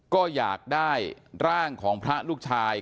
ก็อยากได้ร่างของพระลูกชาย